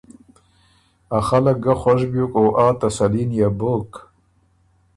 ا خلق ګه خوش بیوک او آ تسلي نيې بُک